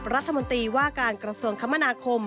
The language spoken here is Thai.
รัฐมนตรีว่าการกระทรวงคมนาคม